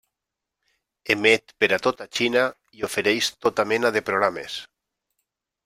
Emet per a tota Xina i ofereix tota mena de programes.